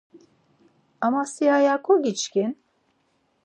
Ama si aya kogiçkin.